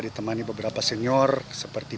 ditemani beberapa senior seperti